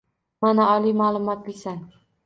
“Mana, oliy ma’lumotlisan.